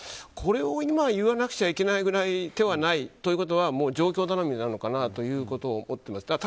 これを今言わなくちゃいけない手はないということは情報頼みになるのかなと思っています。